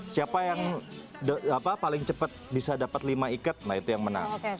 siapa yang paling cepat bisa dapat lima ikat nah itu yang menang